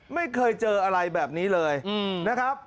ไม่เคยเจออะไรแบบนี้เลยนะครับ